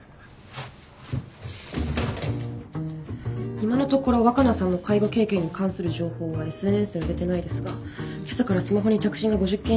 今のところ若菜さんの介護経験に関する情報はＳＮＳに出てないですがけさからスマホに着信が５０件以上ありました。